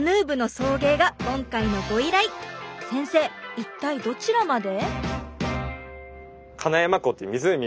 一体どちらまで？